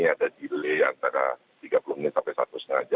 ada di delay antara tiga puluh menit sampai seratus menit